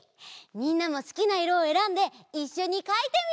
みんなもすきないろをえらんでいっしょにかいてみよう！